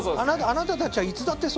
あなたたちはいつだってそう。